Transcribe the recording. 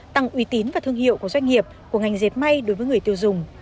tăng uy tín và thương hiệu của doanh nghiệp của ngành diệt mây đối với người tiêu dùng